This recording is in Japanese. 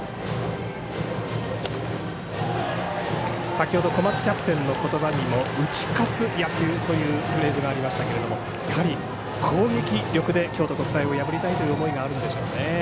先ほど小松キャプテンの言葉にも打ち勝つ野球というフレーズがありましたがやはり、攻撃力で京都国際を破りたいという思いがあるんでしょうね。